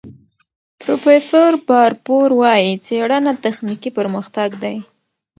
پروفیسور باربور وايي، څېړنه تخنیکي پرمختګ دی.